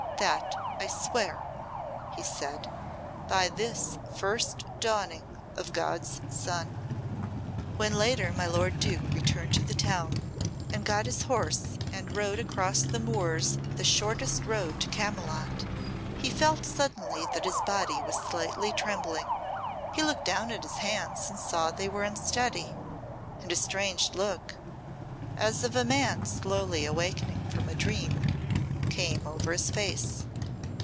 "That I swear," he said, "by this first dawning of God's sun." When later my lord Duke returned to the town and got his horse and rode across the moors the shortest road to Camylott, he felt suddenly that his body was slightly trembling. He looked down at his hands and saw they were unsteady, and a strange look as of a man slowly awakening from a dream came over his face.